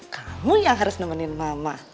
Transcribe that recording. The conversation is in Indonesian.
kamu yang harus nemenin mama